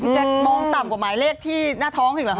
แจ๊คมองต่ำกว่าหมายเลขที่หน้าท้องอีกเหรอค